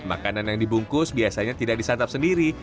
makanan yang dibungkus biasanya tidak disantap sendiri